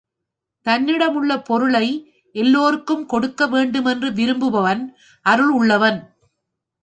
தன்னிடமுள்ள பொருளை எல்லோருக்கும் கொடுக்க வேண்டுமென்று விரும்புபவன் அருள் உள்ளவன்.